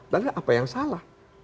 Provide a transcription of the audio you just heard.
lalu apa yang salah